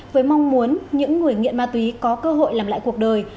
với mong muốn những người nghiện ma túy có cơ hội làm lại cuộc đời